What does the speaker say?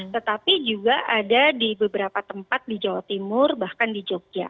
tetapi juga ada di beberapa tempat di jawa timur bahkan di jogja